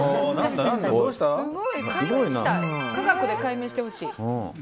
科学で解明してほしい。